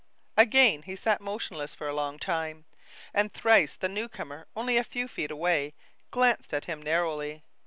Again he sat motionless for a long time, and thrice the new comer, only a few feet away, glanced at him narrowly.